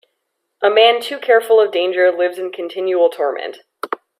A man too careful of danger lives in continual torment.